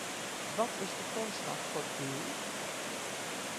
Wat is de grondslag voor uw?